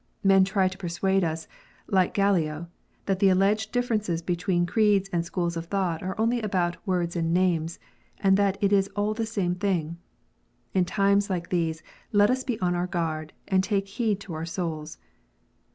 Men try to persuade us, like Gallic, that the alleged differences between creeds and schools of thought are only about "words and names," and that it is " all the same thing." In times like these, let us be on our guard, and take heed to our souls.